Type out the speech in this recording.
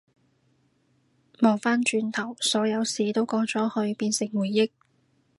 望返轉頭，所有事都過咗去變成回憶